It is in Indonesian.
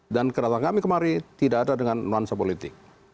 dan kedatangan kami kemari tidak ada dengan nuansa politik